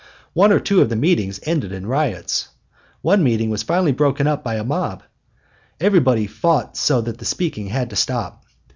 One or two of the meetings ended in riots. One meeting was finally broken up by a mob; everybody fought so that the speaking had to stop.